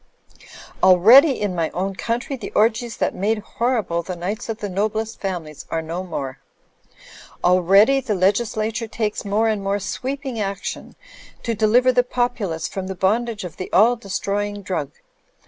Already in my own country the orgies that made horrible the nights of the noblest families are no more. Already the legislature takes more and more sweeping action to deliver the populace from the bondage of the all destroying drug.